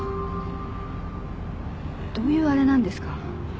どういうあれなんですか？